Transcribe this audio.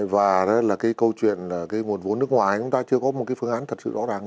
và là cái câu chuyện cái nguồn vốn nước ngoài chúng ta chưa có một cái phương án thật sự rõ ràng